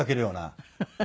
フフフ。